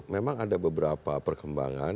memang ada beberapa perkembangan